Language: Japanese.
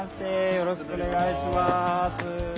よろしくお願いします。